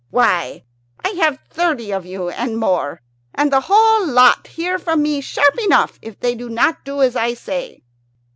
Why, I have thirty of you and more, and the whole lot hear from me sharp enough if they do not do as I say."